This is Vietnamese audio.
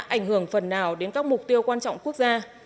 ảnh hưởng phần nào đến các mục tiêu quan trọng quốc gia